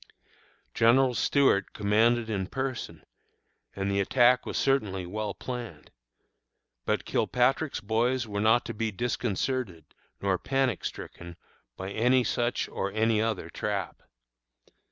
General Stuart commanded in person, and the attack was certainly well planned. But Kilpatrick's boys were not to be disconcerted nor panic stricken by any such or any other trap.